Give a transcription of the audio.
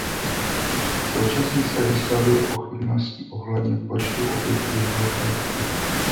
Současně se vyslovil pochybnosti ohledně počtu obětí holocaustu.